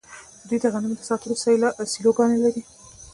دوی د غنمو د ساتلو سیلوګانې لري.